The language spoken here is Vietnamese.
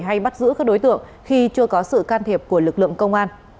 hay bắt giữ các đối tượng khi chưa có sự can thiệp của lực lượng công an